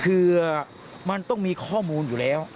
คือมันต้องมีข้อมูลอยู่แล้ว